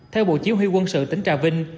theo bộ chỉ huy quân sự tỉnh trà vinh